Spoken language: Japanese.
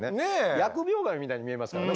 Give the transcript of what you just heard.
疫病神みたいに見えますからねこれね。